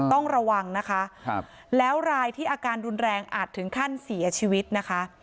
ต้องระวังนะคะแล้วรายที่อาการรุนแรงอาจถึงขั้นเสียชีวิตนะคะ